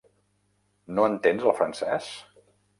No entens el francès?